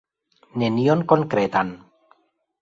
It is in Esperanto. Nenion konkretan!